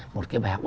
một cái bài học ấy